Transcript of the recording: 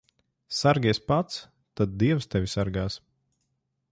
Sargies pats, tad dievs tevi sargās.